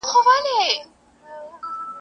په ځالۍ کي کړېدله تپیدله ,